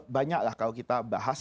banyak lah kalau kita bahas